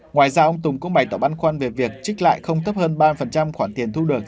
ngoài ra ông tùng cũng bày tỏ băn khoan về việc trích lại không tấp hơn ba mươi khoản tiền thu được